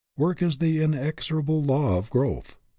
Work is the inexorable law of growth.